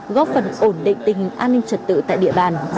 góp phần ổn định tình hình an ninh trật tự tại địa bàn